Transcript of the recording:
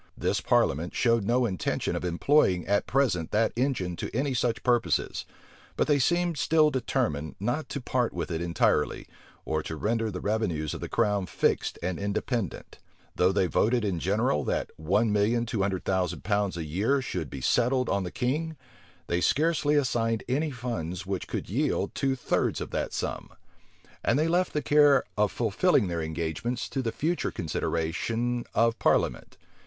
This parliament showed no intention of employing at present that engine to any such purposes; but they seemed still determined not to part with it entirely, or to render the revenues of the crown fixed and independent. Though they voted in general, that one million two hundred thousand pounds a year should be settled on the king, they scarcely assigned any funds which could yield two thirds of that sum. And they left the care of fulfilling their engagements to the future consideration of parliament.